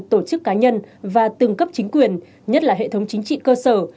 tổ chức cá nhân và từng cấp chính quyền nhất là hệ thống chính trị cơ sở